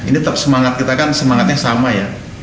ini tetap semangat kita kan semangatnya sama ya